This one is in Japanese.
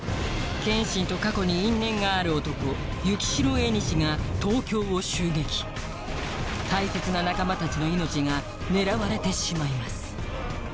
剣心と過去に因縁がある男雪代縁が東京を襲撃大切な仲間たちの命が狙われてしまいます